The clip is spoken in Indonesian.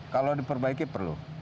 kalau diperbaiki perlu